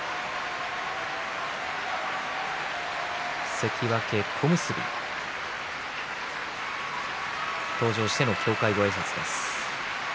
関脇、小結登場しての協会ごあいさつです。